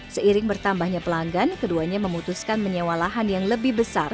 seiring bertambahnya pelanggan keduanya memutuskan menyewa lahan yang lebih besar